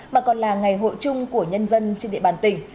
mà còn là ngày hội chung của nhân dân trên địa bàn tỉnh